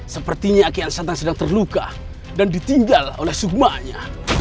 sepertinya akian santang sedang terluka dan ditinggal oleh sukmanya